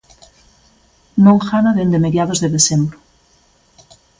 Non gana dende mediados de decembro.